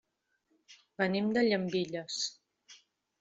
Venim de Llambilles.